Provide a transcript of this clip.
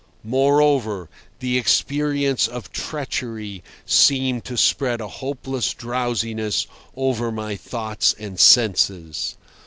Moreover, the experience of treachery seemed to spread a hopeless drowsiness over my thoughts and senses.